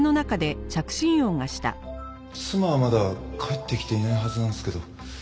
妻はまだ帰ってきていないはずなんですけど。